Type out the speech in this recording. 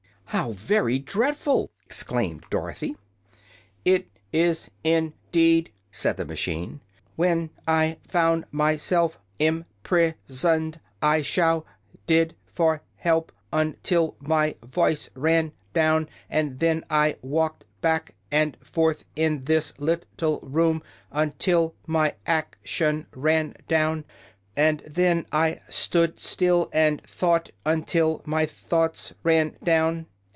"How very dreadful!" exclaimed Dorothy. "It is, in deed," said the machine. "When I found my self im pris oned I shout ed for help un til my voice ran down; and then I walked back and forth in this lit tle room un til my ac tion ran down; and then I stood still and thought un til my thoughts ran down.